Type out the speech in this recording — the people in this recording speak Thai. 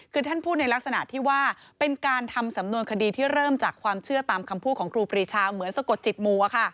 คือท่านพูดในลักษณะที่ว่าเป็นการทำสำนวนคดีที่เริ่มจากความเชื่อตามคำพูดของครูปรีชาเหมือนสะกดจิตมัว